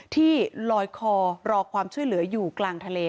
ที่ลอยคอรอความช่วยเหลืออยู่กลางทะเล